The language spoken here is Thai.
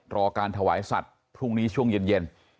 รอการถวายสัตว์พรุ่งนี้ช่วงเย็น